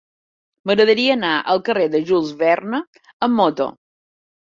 M'agradaria anar al carrer de Jules Verne amb moto.